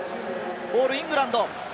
ボールはイングランド。